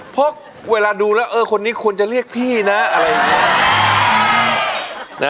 เพราะเวลาดูและชนิดนี้ควรจะเรียกพี่นะ